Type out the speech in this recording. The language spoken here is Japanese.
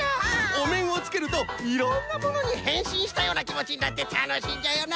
おめんをつけるといろんなものにへんしんしたようなきもちになってたのしいんじゃよな。